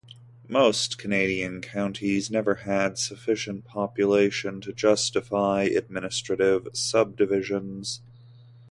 Most Canadian counties never had sufficient population to justify administrative subdivisions.